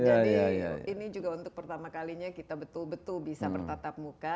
jadi ini juga untuk pertama kalinya kita betul betul bisa bertatap muka